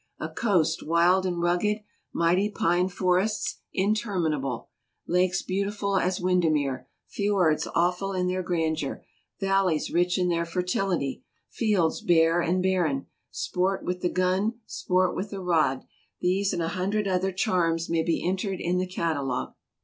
A coast wild and rugged ; mighty pine forests, interminable ; lakes beautiful as Windermere ; fjords awful in their grandeur ; valleys rich in their fertility ; fields bare and barren ; sport with the gun, sport with the rod ; these and a hundred other charms may be entered in the catalogue.